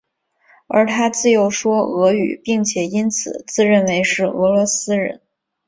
而他自幼说俄语并且因此自认为是俄罗斯人。